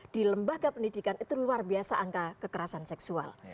di lembaga pendidikan itu luar biasa angka kekerasan seksual